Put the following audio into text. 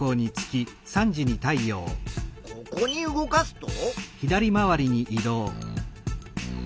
ここに動かすと？